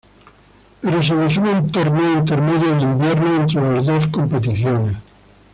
Pero se les suma un Torneo Intermedio en invierno, entre las dos competiciones.